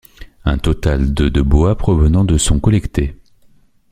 Un total de de bois provenant de sont collectés.